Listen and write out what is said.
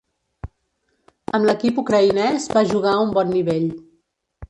Amb l'equip ucraïnès va jugar a un bon nivell.